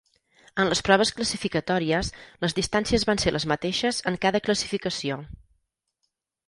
En les proves classificatòries les distàncies van ser les mateixes en cada classificació.